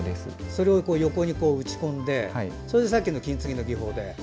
それを横に打ち込んでそれでさっきの金継ぎの技法で。